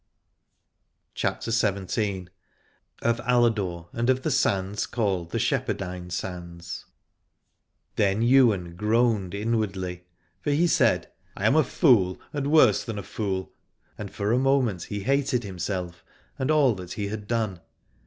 [OO CHAPTER XVII. OF ALADORE AND OF THE SANDS CALLED THE SHEPHERDINE SANDS. Then Ywain groaned inwardly, for he said, I am a fool and worse than a fool, and for a moment he hated himself and all that he had done.